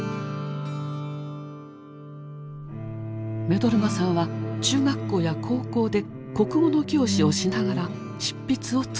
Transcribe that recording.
目取真さんは中学校や高校で国語の教師をしながら執筆を続けました。